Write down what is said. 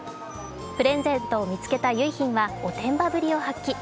プレゼントを見つけた結浜はおてんばぶりを発揮。